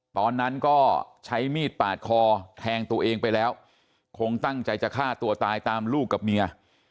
ตอนนั้นก็ใช้มีดปาดคอแทงตัวเองไปแล้วคงตั้งใจจะฆ่าตัวตายตามลูกกับเมีย